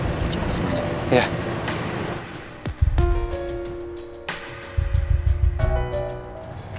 terima kasih banyak